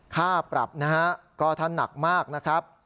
ค่าปรับนะฮะก็ถ้าหนักมากนะครับ